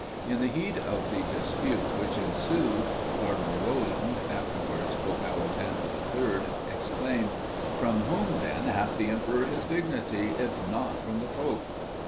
In the heat of the dispute which ensued, Cardinal Roland, afterwards Pope Alexander III. exclaimed: "From whom then hath the Emperor his dignity, if not from the Pope?"